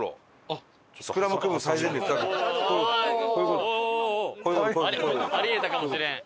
あり得たかもしれん。